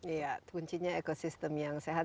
iya kuncinya ekosistem yang sehat